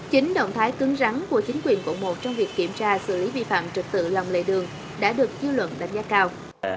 chính động thái cứng rắn của chính quyền quận một trong việc kiểm tra xử lý vi phạm trực tự lòng lề đường đã được dư luận đánh giá cao